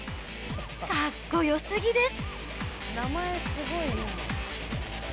かっこよすぎです。